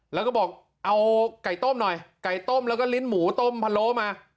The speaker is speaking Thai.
แล้วก็บอกเอาไก่ต้มหน่อยไก่ต้มแล้วก็ลิ้นหมูต้มพะโล้มา